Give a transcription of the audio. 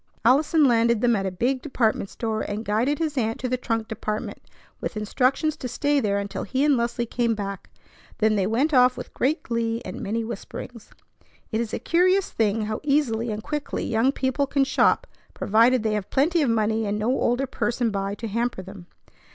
Allison landed them at a big department store, and guided his aunt to the trunk department with instructions to stay there until he and Leslie came back. Then they went off with great glee and many whisperings. It is a curious thing how easily and quickly young people can shop provided they have plenty of money and no older person by to hamper them.